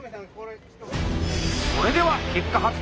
それでは結果発表。